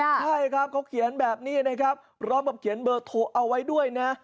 ใช่ครับเขาเขียนแบบนี้นะครับพร้อมกับเขียนเบอร์โทรเอาไว้ด้วยนะ